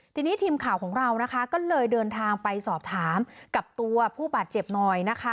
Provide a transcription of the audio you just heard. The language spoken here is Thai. ทีนี้ทีมข่าวของเรานะคะก็เลยเดินทางไปสอบถามกับตัวผู้บาดเจ็บหน่อยนะคะ